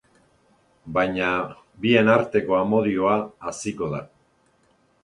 Baina, bien arteko amodioa haziko da.